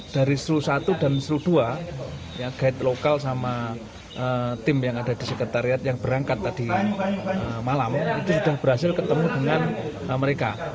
dari seru satu dan seru dua guide lokal sama tim yang ada di sekretariat yang berangkat tadi malam itu sudah berhasil ketemu dengan mereka